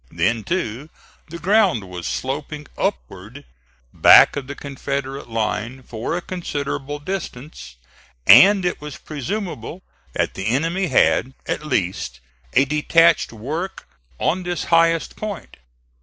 Then, too, the ground was sloping upward back of the Confederate line for a considerable distance, and it was presumable that the enemy had, at least, a detached work on this highest point.